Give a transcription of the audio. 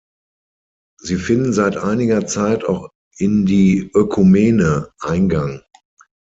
Sie finden seit einiger Zeit auch in die Ökumene Eingang.